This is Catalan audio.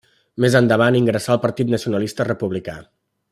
Més endavant ingressà al Partit Nacionalista Republicà.